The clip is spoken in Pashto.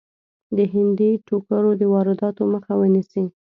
د هندي ټوکرو د وادراتو مخه ونیسي.